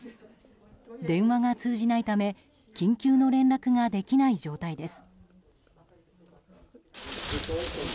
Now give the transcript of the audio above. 電話が通じないため緊急の連額ができない状態です。